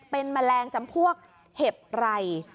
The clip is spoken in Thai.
เป็นแมลงจำพวกเห็บไร